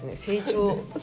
成長。